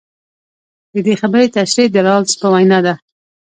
د دې خبرې تشرېح د رالز په وینا ده.